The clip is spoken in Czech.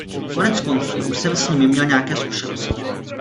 Koneckonců, už jsem s nimi měl nějaké zkušenosti.